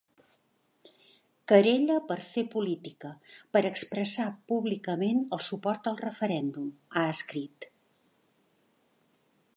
Querella per fer política, per expressar públicament el suport al referèndum, ha escrit.